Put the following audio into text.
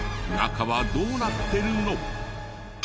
中はどうなってるの？